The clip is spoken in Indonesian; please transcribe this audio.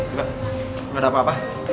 nggak ada apa apa